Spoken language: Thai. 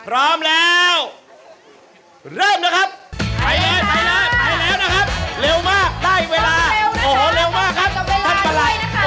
เริ่มเลยครับไปเลยครับเร็วมากได้เวลา